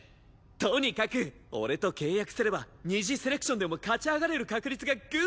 とにかく俺と契約すれば二次セレクションでも勝ち上がれる確率がグンと上がる。